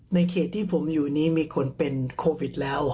ในเขตที่ผมอยู่นี้มีคนเป็นโควิดแล้ว